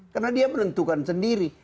karena dia menentukan sendiri